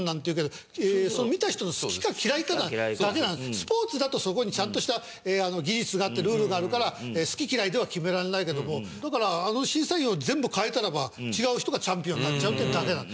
スポーツだとそこにちゃんとした技術があってルールがあるから好き嫌いでは決められないけどもだからあの審査員を全部替えたらば違う人がチャンピオンになっちゃうっていうだけなの。